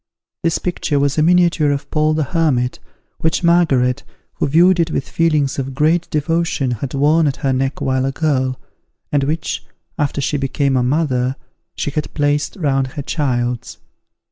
This picture was a miniature of Paul the Hermit, which Margaret, who viewed it with feelings of great devotion, had worn at her neck while a girl, and which, after she became a mother, she had placed round her child's.